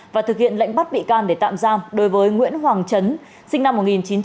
và thực hiện lệnh bắt bị can để tạm giam đối với nguyễn hoàng trấn sinh năm một nghìn chín trăm chín mươi hai